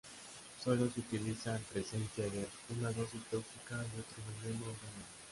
Sólo se utiliza en presencia de una dosis tóxica de otro veneno o droga.